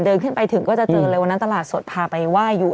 เดินขึ้นไปถึงก็จะเจอเลยวันนั้นตลาดสดพาไปไหว้อยู่